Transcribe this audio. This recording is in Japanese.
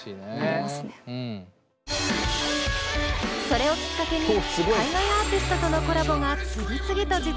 それをきっかけに海外アーティストとのコラボが次々と実現。